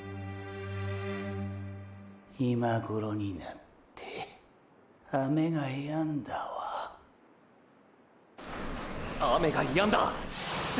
今ごろになって雨がやんだわ雨がやんだ！！